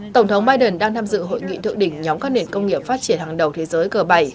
tổng thống biden đang tham dự hội nghị thượng đỉnh nhóm các nền công nghiệp phát triển hàng đầu thế giới g bảy